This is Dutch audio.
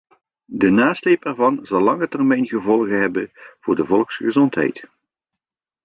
De nasleep ervan zal langetermijngevolgen hebben voor de volksgezondheid.